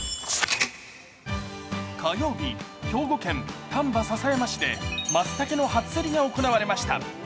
火曜日、兵庫県丹波篠山市でまつたけの初競りが行われました。